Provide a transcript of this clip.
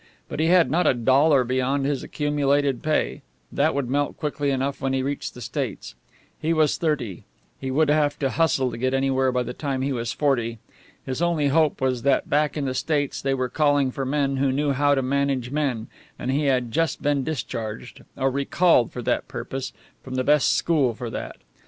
But he had not a dollar beyond his accumulated pay; that would melt quickly enough when he reached the States. He was thirty; he would have to hustle to get anywhere by the time he was forty. His only hope was that back in the States they were calling for men who knew how to manage men, and he had just been discharged or recalled for that purpose from the best school for that.